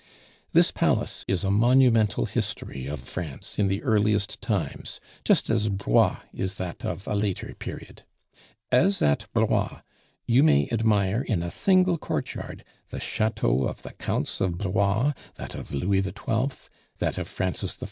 This palace is a monumental history of France in the earliest times, just as Blois is that of a later period. As at Blois you may admire in a single courtyard the chateau of the Counts of Blois, that of Louis XII., that of Francis I.